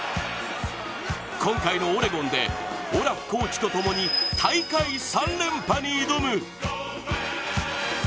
今回のオレゴンで、オラフコーチとともに大会３連覇に挑む。